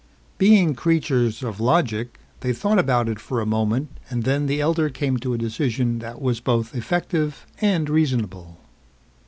Being creatures of logic, they thought about it for a moment and then the elder came to a decision that was both effective and reasonable.